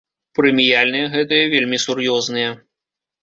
Прэміяльныя гэтыя вельмі сур'ёзныя.